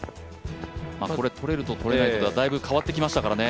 とれるととれないとだとだいぶ変わってきましたからね。